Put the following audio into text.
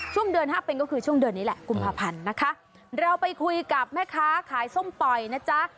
ช่วงเดือนห้าเป็นก็คือช่วงเดือนนี้แหละกุมภาพันธ์นะคะเราไปคุยกับแม่ค้าขายส้มต่อยนะจ๊ะ